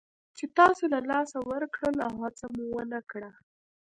چې تاسو له لاسه ورکړل او هڅه مو ونه کړه.